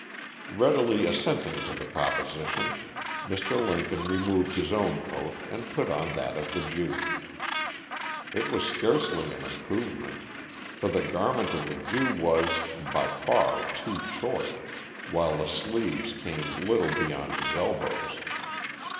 Readily assenting to the proposition, Mr Lincoln removed his own coat and put on that of the Jew. It was scarcely an improvement; for the garment of the Jew was, by far, too short, while the sleeves came little beyond his elbows.